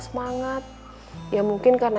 semangat ya mungkin karena